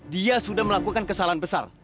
dia sudah melakukan kesalahan besar